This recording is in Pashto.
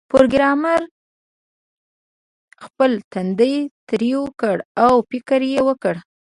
پروګرامر خپل تندی ترېو کړ او فکر یې وکړ